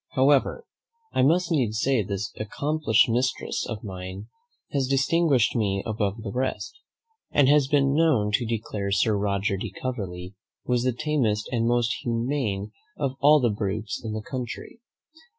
"However, I must needs say this accomplished mistress of mine has distinguished me above the rest, and has been known to declare Sir Roger de Coverley was the tamest and most humane of all the brutes in the country.